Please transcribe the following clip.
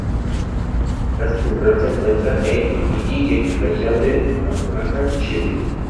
Su Casa Central se encuentra en Iquique, Región de Tarapacá, Chile.